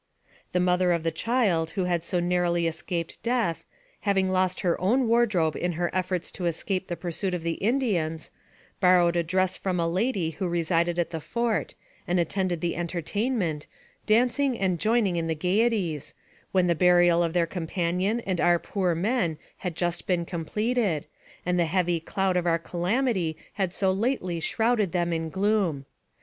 The mother of the child, who had so narrowly es caped death, having lost her own wardrobe in her efforts to escape the pursuit of the Indians, borrowed a dress from a lady who resided at the fort, and attended the entertainment, dancing and joining in the gayeties, when the burial of their companion and our poor men had just been completed, and the heavy cloud of our calamity had so lately shrouded them in gloom.